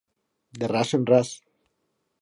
De ras en ras.